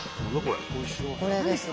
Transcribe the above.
これですね